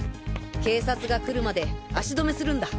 警察が来るまで足止めするんだ。